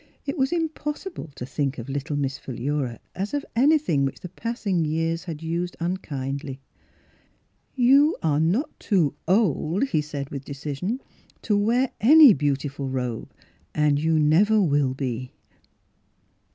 It was impossible to think of little IMiss Philura as of anything which the passing years had used unkindly. " You are not too old," he said with [*9] Miss Fhilura's Wedding Gown decision, " to wear any beautiful robe, and you never will be."